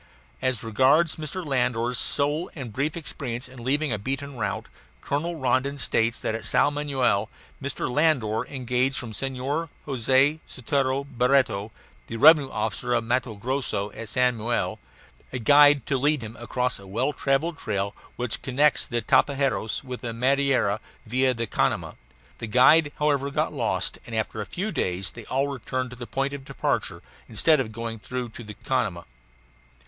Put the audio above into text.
As regards Mr. Landor's sole and brief experience in leaving a beaten route, Colonel Rondon states that at Sao Manoel Mr. Landor engaged from Senhor Jose Sotero Barreto (the revenue officer of Matto Grosso, at Sao Manoel) a guide to lead him across a well travelled trail which connects the Tapajos with the Madeira via the Canama. The guide, however, got lost, and after a few days they all returned to the point of departure instead of going through to the Canama.